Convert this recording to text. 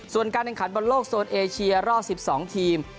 ส่วนการแข่งขันบอลโลกโซนเอเชียรอบ๑๒ทีม